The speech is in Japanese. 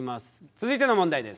続いての問題です。